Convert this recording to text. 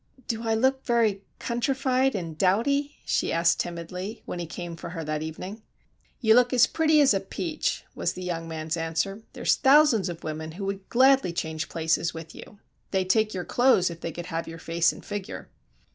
"Do I look very countrified and dowdy?" she asked, timidly, when he came for her that evening. "You look as pretty as a peach," was the young man's answer. "There's thousands of women who would gladly change places with you—they'd take your clothes if they could have your face and figure."